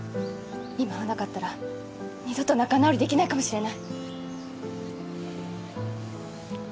今会わなかったら二度と仲直りできないかもしれない。